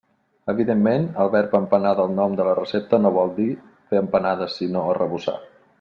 Evidentment, el verb empanar del nom de la recepta no vol dir fer empanades sinó arrebossar.